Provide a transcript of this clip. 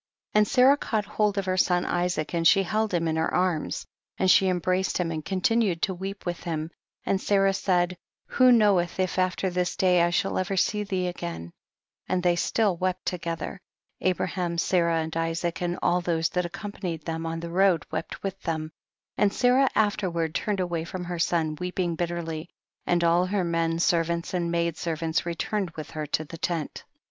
18. And Sarah caught hold of her son Isaac, and she held him in her arms, and she embraced him and continued to weep with him, and Sarah said, who knoweth if after this day I shall ever see thee again T 19. "And they still wept together. THE BOOK OF JASHER. 65 Abraham, Sarah and Isaac and all those that accompanied them on the road wept with them, and JSarah afterward turned away from her son, weeping bitterly, and all her men servants and maid servants returned with her to the tent, 20.